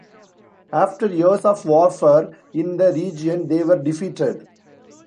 After years of warfare in the region, they were defeated.